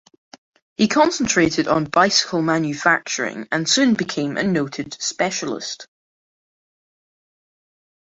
He concentrated on bicycle manufacturing and soon became a noted specialist.